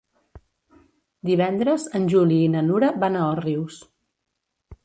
Divendres en Juli i na Nura van a Òrrius.